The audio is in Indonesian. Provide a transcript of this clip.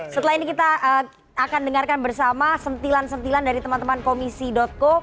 setelah ini kita akan dengarkan bersama sentilan sentilan dari teman teman komisi co